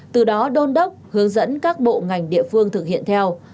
từ đó đôn đốc hướng dẫn các bộ ngành địa phương thực hiện theo